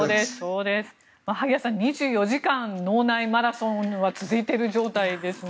萩谷さん２４時間、脳内マラソンが続いている状態ですね。